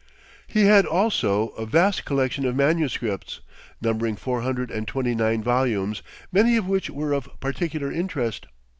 He had also a vast collection of manuscripts, numbering four hundred and twenty nine volumes, many of which were of particular interest.